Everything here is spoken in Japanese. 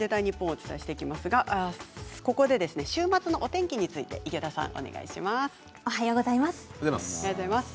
お伝えしていきますがここで週末のお天気について池田さん、お願いします。